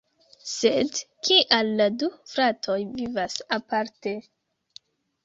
Sed kial la du "fratoj" vivas aparte?